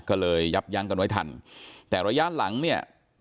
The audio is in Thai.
ก็เลยยับยั้งกันไว้ทันแต่ระยะหลังเนี่ย